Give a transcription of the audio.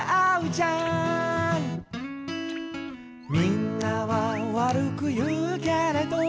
「みんなは悪く言うけれど」